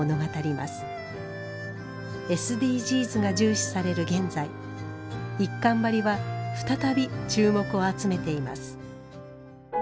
ＳＤＧＳが重視される現在一閑張は再び注目を集めています。